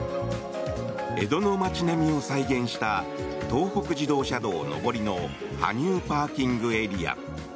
江戸の町並みを再現した東北自動車道上りの羽生ＰＡ。